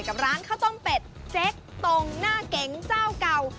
ร้านข้าวต้มเป็ดเจ๊กตรงหน้าเก๋งเจ้าเก่า